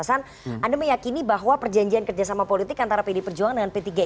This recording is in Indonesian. anda meyakini bahwa perjanjian kerjasama politik antara pd perjuangan dan p tiga ini tanpa syarat